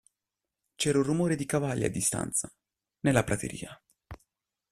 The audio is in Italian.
C'era un rumore di cavalli a distanza, nella prateria.